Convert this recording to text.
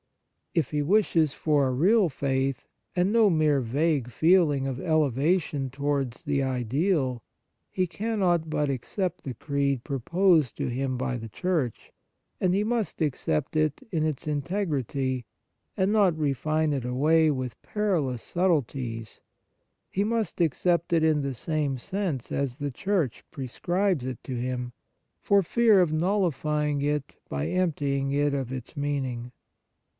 If he wishes for a real faith, and no mere vague feeling of elevation towards the ideal, he cannot but accept the Creed proposed to him by the Church, and he must accept it in its integrity, and not refine it away with perilous subtleties ; he must accept it in the same sense as the Church prescribes it to him, for fear of nullifying it by emptying it of its meaning.